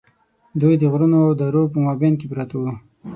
دوی د غرونو او درو په مابین کې پراته وو.